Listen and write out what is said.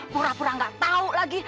pura pura nggak tahu lagi